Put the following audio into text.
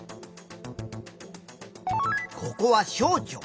ここは小腸。